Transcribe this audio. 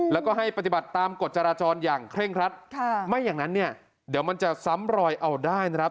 แล้วก็กดกดจราชดอย่างแค่ไม่อย่างนั้นเนี่ยเดี๋ยวมันจะซ้ำลอยเอาได้นะครับ